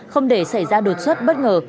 không để xảy ra đột xuất bất ngờ